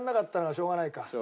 しょうがない。